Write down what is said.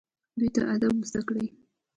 دوی ته ادب زده کړئ